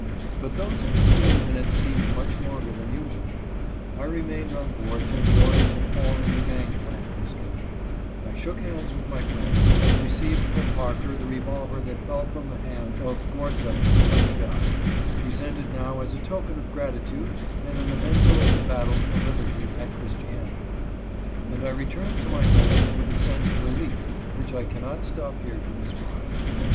But those fifteen minutes seemed much longer than usual. I remained on board till the order to haul in the gang plank was given ; I shook hands with my friends, received from Parker the revolver that fell from the hand of Gorsuch when he died, presented now as a token of gratitude and a memento of the battle for Liberty at Christiana, and I returned to my home with a sense of relief which I cannot stop here to describe.